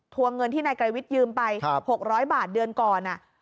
วงเงินที่นายไกรวิทยืมไป๖๐๐บาทเดือนก่อน